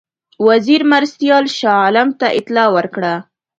وزیر مرستیال شاه عالم ته اطلاع ورکړه.